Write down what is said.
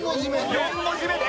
４文字目で？